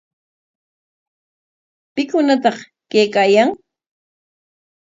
¿Pikunataq kaykaayan?